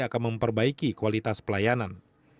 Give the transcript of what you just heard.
akan memperbaiki kualitas pelayanan